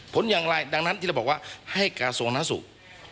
ผลอย่างไรดังนั้นที่เราบอกว่าให้กระทรวงหน้าสุข